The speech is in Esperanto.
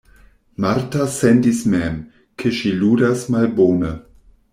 Marta sentis mem, ke ŝi ludas malbone.